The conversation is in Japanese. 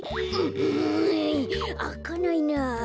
うんあかないなあ。